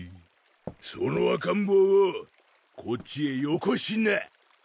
その赤ん坊をこっちへよこしな！